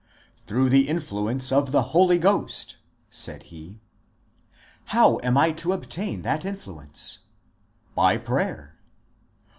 ^^ Through the influence of the Holy Ghost, said he." ^^ How am I to obtain that influence ?"" By prayer."